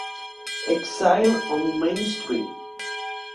Exile on Main St.